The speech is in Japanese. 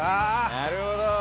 なるほど！